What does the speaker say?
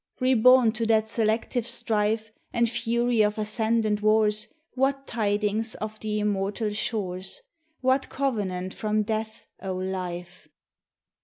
THE TESTIMONY OF THE SUNS. Reborn to that selective strife And fury of ascendant wars, What tidings of the immortal shores? What covenant from Death, O Life?